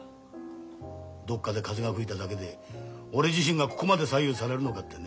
どっかで風が吹いただけで俺自身がここまで左右されるのかってね。